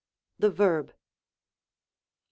The Verb. 1.